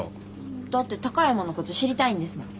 だって高山のこと知りたいんですもの。